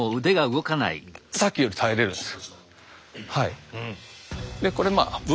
さっきより耐えれるんですよ。